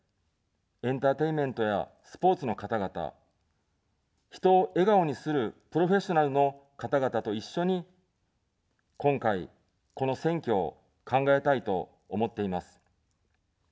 エンターテインメントやスポーツの方々、人を笑顔にするプロフェッショナルの方々と一緒に、今回、この選挙を考えたいと思っています。